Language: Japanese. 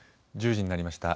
１０時になりました。